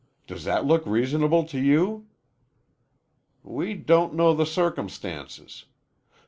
Does that look reasonable to you?" "We don't know the circumstances.